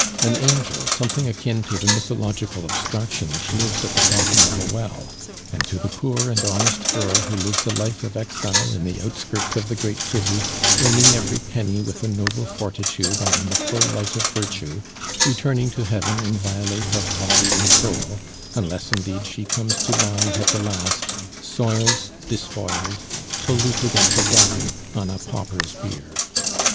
An angel, something akin to the mythological abstraction which lives at the bottom of a well, and to the poor and honest girl who lives a life of exile in the outskirts of the great city, earning every penny with a noble fortitude and in the full light of virtue, returning to heaven inviolate of body and soul; unless, indeed, she comes to lie at the last, soiled, despoiled, polluted, and forgotten, on a pauper's bier.